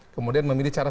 kemudian memilih cara